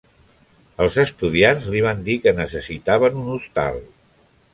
Els estudiants li van dir que necessitaven un hostal.